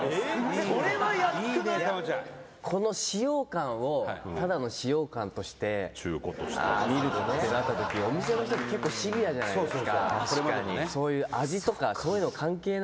この使用感をただの使用感として見るってなった時お店の人って結構シビアじゃないですか。